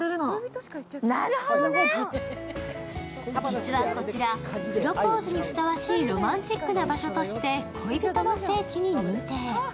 実は、こちらプロポーズにふさわしいロマンチックな場所として恋人の聖地に認定。